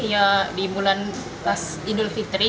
ya di bulan pas idul fitri